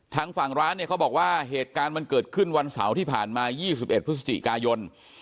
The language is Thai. ทางฝั่งร้านเนี่ยเขาบอกว่าเหตุการณ์มันเกิดขึ้นวันเสาร์ที่ผ่านมา๒๑พฤศจิกายน